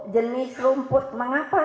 jenis rumput mengapa